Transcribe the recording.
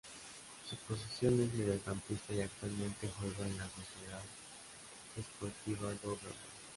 Su posición es Mediocampista y actualmente juega en la Sociedade Esportiva do Gama.